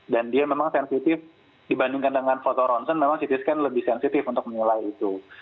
dan dia memang sensitif dibandingkan dengan fotoronsen memang ct scan lebih sensitif untuk menilai itu